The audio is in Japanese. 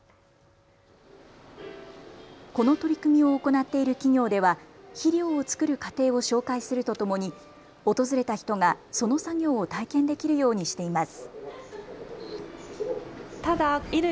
この取り組みを行っている企業では肥料を作る過程を紹介するとともに訪れた人がその作業を体験できるようにしています。